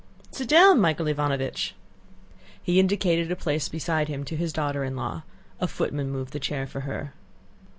Sit down, Michael Ivánovich!" He indicated a place beside him to his daughter in law. A footman moved the chair for her.